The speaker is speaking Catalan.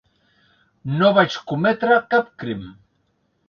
No vaig cometre cap crim.